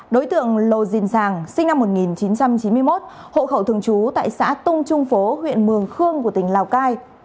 đối tượng lô dìn giàng sinh năm một nghìn chín trăm chín mươi một hộ khẩu thường trú tại xã tung trung phố huyện mường khương của tỉnh lào cai